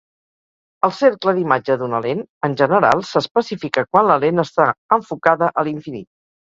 El cercle d’imatge d’una lent, en general, s’especifica quan la lent està enfocada a l’infinit.